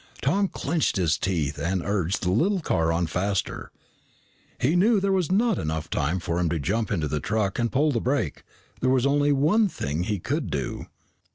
Tom clenched his teeth and urged the little car on faster. He knew that there was not enough time for him to jump into the truck and pull the brake. There was only one thing he could do.